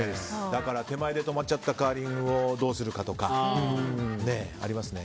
だから手前で止まっちゃったカーリングをどうするかとかありますね